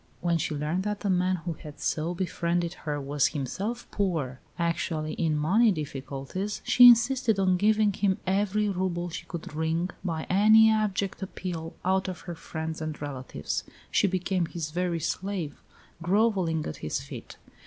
When she learned that the man who had so befriended her was himself poor, actually in money difficulties, she insisted on giving him every rouble she could wring, by any abject appeal, out of her friends and relatives. She became his very slave, grovelling at his feet.